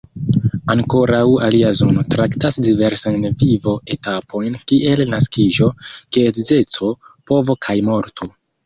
Ankoraŭ alia zono traktas diversajn vivo-etapojn kiel naskiĝo, geedzeco, povo kaj morto.